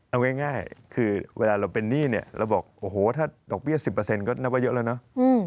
เอาง่ายคือเวลาเราเป็นหนี้เนี่ยเราบอกโอ้โหถ้าดอกเบี้ย๑๐ก็นับว่าเยอะแล้วเนาะ